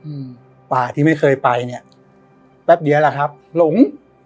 อืมป่าที่ไม่เคยไปเนี้ยแป๊บเดียวแหละครับหลง